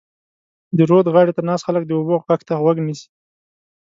د رود غاړې ته ناست خلک د اوبو غږ ته غوږ نیسي.